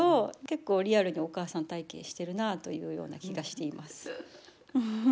結構リアルにお母さん体験してるなというような気がしています。